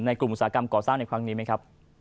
ในกลุ่มอุตสากรรมก่อสร้างอีกครั้งหนึ่งไหมครับ